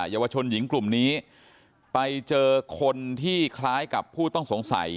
เยาวชนหญิงกลุ่มนี้ไปเจอคนที่คล้ายกับผู้ต้องสงสัย